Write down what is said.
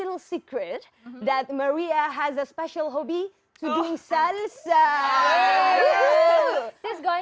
jadi kalau mereka seperti itu saya yakin ada banyak lagi